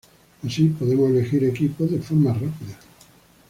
Así, podemos elegir equipos de forma rápida.